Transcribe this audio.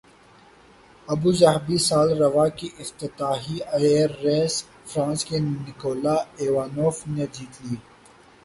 Abu Dhabi سال رواں کی افتتاحی ایئر ریس فرانس کے نکولا ایوانوف نے جیت لی